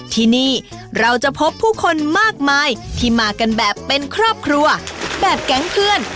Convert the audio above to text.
ที่นี่เราจะพบผู้คนมากมายที่มากันแบบเป็นครอบครัวแบบแก๊งเพื่อน